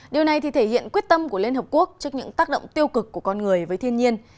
điều này thể hiện quyết tâm của liên hợp quốc trước những tác động tiêu cực của con người với thiên nhiên